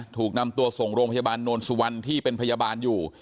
ถูกนำตัวส่งโรงพยาบาลโนนสุวรรณที่เป็นพยาบาลอยู่